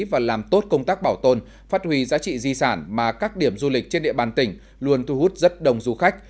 và làm tốt công tác bảo tồn phát huy giá trị di sản mà các điểm du lịch trên địa bàn tỉnh luôn thu hút rất đông du khách